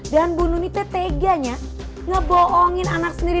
dan bu nuni teteganya ngebohongin anak sendiri